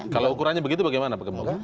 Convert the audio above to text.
kalau ukurannya begitu bagaimana pak gembong